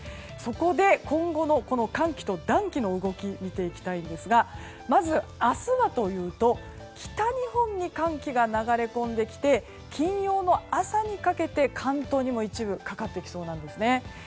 そこで、今後の寒気と暖気の動きを見ていきたいんですがまず、明日はというと北日本に寒気が流れ込んできて金曜の朝にかけて関東にも一部かかってきそうなんです。